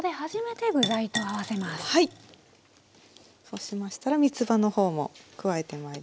そうしましたらみつばの方も加えてまいります。